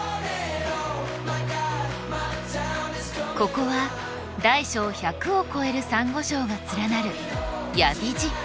ここは大小１００を超えるサンゴ礁が連なる八重干瀬。